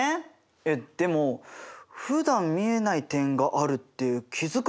えっでもふだん見えない点があるって気付かないよね？